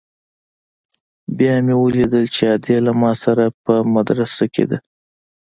بيا مې وليدل چې ادې له ما سره په مدرسه کښې ده.